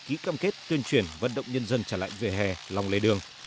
ký cam kết tuyên truyền vận động nhân dân trả lãnh về hè lòng lấy đường